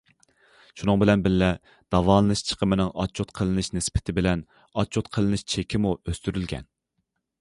شۇنىڭ بىلەن بىللە، داۋالىنىش چىقىمىنىڭ ئاتچوت قىلىنىش نىسبىتى بىلەن ئاتچوت قىلىنىش چېكىمۇ ئۆستۈرۈلگەن.